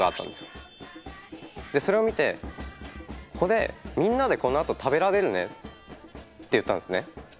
それを見てこれみんなでこのあと食べられるねって言ったんですね。